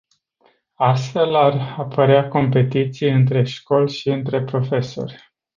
Astfel ar apărea competiții între școli și între profesori.